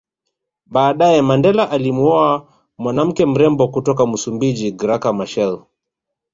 Baadaye Mandela alimuoa mwanawake mrembo kutoka Msumbiji Graca Machel